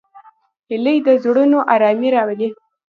هیلۍ د زړونو آرامي راولي